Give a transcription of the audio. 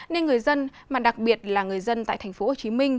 nên người dân mà đặc biệt là người dân tại tp hcm